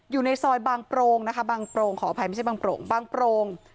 อยู่ในซอยบางโปรงนะคะบางโปรงขออภัยไม่ใช่บางโปร่งบางโปรง